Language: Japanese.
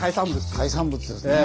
海産物ですね。